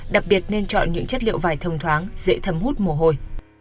đặc biệt nên chọn những chất liệu vải thông thoáng dễ thấm hút mồ hôi